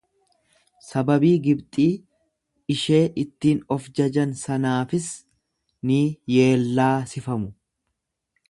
Sababii Gibxii ishee ittiin of jajan sanaafis ni yeellaasifamu.